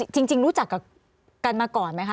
จริงรู้จักกับกันมาก่อนไหมคะ